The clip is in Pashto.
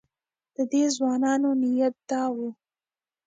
د دې ځوانانو نیت دا و.